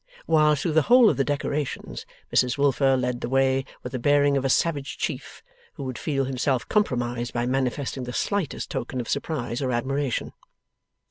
While, through the whole of the decorations, Mrs Wilfer led the way with the bearing of a Savage Chief, who would feel himself compromised by manifesting the slightest token of surprise or admiration.